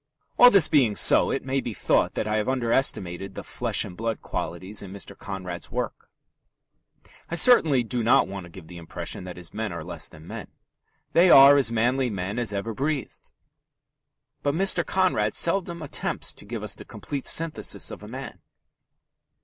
All this being so, it may be thought that I have underestimated the flesh and blood qualities in Mr. Conrad's work. I certainly do not want to give the impression that his men are less than men. They are as manly men as ever breathed. But Mr. Conrad seldom attempts to give us the complete synthesis of a man.